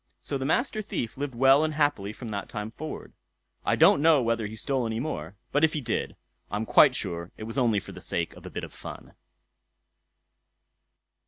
So the Master Thief lived well and happily from that time forward. I don't know whether he stole any more; but if he did, I am quite sure it was only for the sake of a bit of fun.